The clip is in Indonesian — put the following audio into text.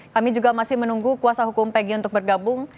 kami juga masih menunggu kuasa hukum pg untuk bergabung